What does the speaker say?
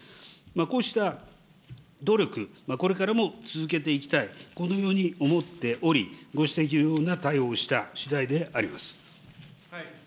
こうした努力、これからも続けていきたい、このように思っており、ご指摘のような対応をしたしだいであります。